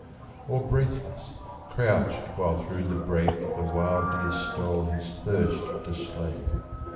Or breathless crouched while through the brake The wild deer stole his thirst to slake.